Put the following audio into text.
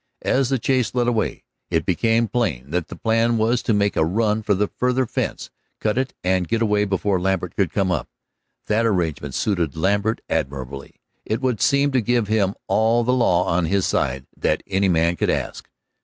As the chase led away, it became plain that the plan was to make a run for the farther fence, cut it and get away before Lambert could come up. That arrangement suited Lambert admirably; it would seem to give him all the law on his side that any man could ask.